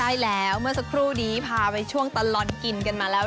ใช่แล้วเมื่อสักครู่นี้พาไปช่วงตลอดกินกันมาแล้ว